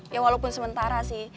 ya walaupun sementara sih